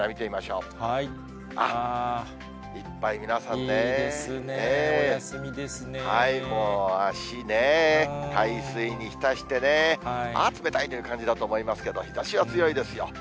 もう、足ね、海水に浸してね、ああ、冷たいという感じだと思いますけど、日ざしは強いですよ。